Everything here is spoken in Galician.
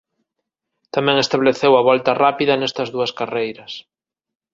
Tamén estableceu a volta rápida nestas dúas carreiras.